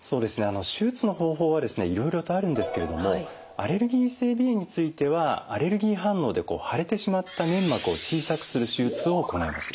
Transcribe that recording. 手術の方法はですねいろいろとあるんですけれどもアレルギー性鼻炎についてはアレルギー反応で腫れてしまった粘膜を小さくする手術を行います。